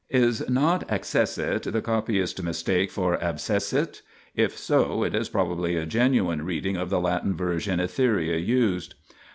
Is not accessit the copyist's mistake for abscessitl If so, it is probably a genuine reading of the Latin version Etheria used.